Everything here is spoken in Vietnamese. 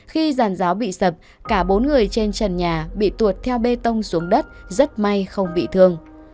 khi giàn giáo bị sập cả bốn người trên trần nhà bị tuột theo bê tông xuống đất rất may không bị thương